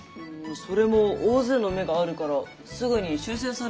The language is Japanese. それも大勢の目があるからすぐに修正されるんじゃないかな。